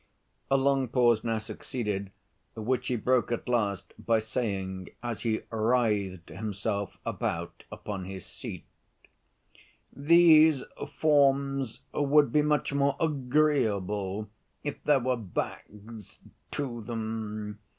A long pause now succeeded, which he broke at last by saying, as he writhed himself about upon his seat, "These forms would be much more agreeable if there were backs to them.